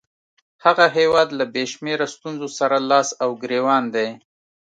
هغه هیواد له بې شمېره ستونزو سره لاس او ګرېوان دی.